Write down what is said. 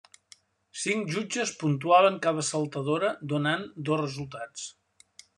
Cinc jutges puntuaven cada saltadora, donant dos resultats.